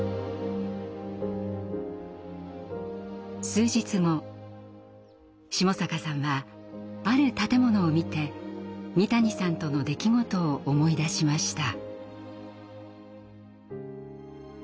数日後下坂さんはある建物を見て三谷さんとの出来事を思い出しました。